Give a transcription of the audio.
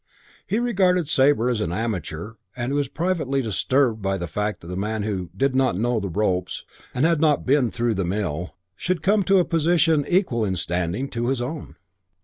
He regarded Sabre as an amateur and he was privately disturbed by the fact that a man who "did not know the ropes" and had not "been through the mill" should come to a position equal in standing to his own.